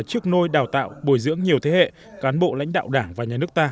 chiếc nôi đào tạo bồi dưỡng nhiều thế hệ cán bộ lãnh đạo đảng và nhà nước ta